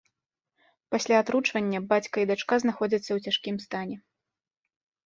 Пасля атручвання бацька і дачка знаходзяцца ў цяжкім стане.